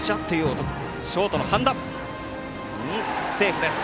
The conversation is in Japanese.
セーフです。